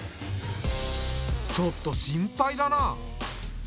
ちょっと心配だな。